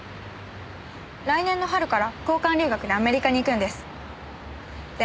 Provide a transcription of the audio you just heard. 来年の春から交換留学でアメリカに行くんです。